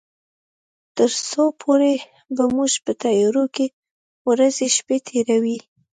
تر څو پورې به موږ په تيارو کې ورځې شپې تيروي.